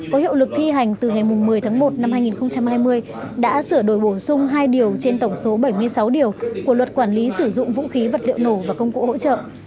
có hiệu lực thi hành từ ngày một mươi tháng một năm hai nghìn hai mươi đã sửa đổi bổ sung hai điều trên tổng số bảy mươi sáu điều của luật quản lý sử dụng vũ khí vật liệu nổ và công cụ hỗ trợ